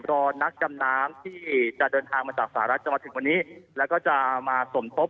รอนักดำน้ำที่จะเดินทางมาจากสหรัฐจะมาถึงวันนี้แล้วก็จะมาสมทบ